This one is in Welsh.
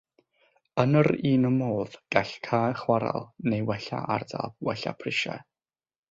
Yn yr un modd, gall cau chwarel neu wella ardal wella prisiau.